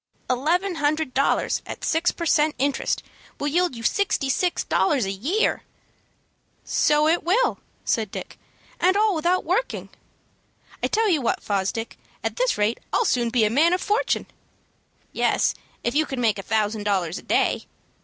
"Eleven hundred dollars at six per cent. interest will yield you sixty six dollars a year." "So it will," said Dick, "and all without working. I tell you what, Fosdick, at this rate I'll soon be a man of fortune." "Yes, if you can make a thousand dollars a day."